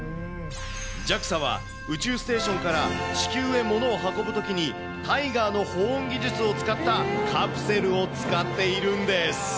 ＪＡＸＡは宇宙ステーションから地球へ物を運ぶときにタイガーの保温技術を使ったカプセルを使っているんです。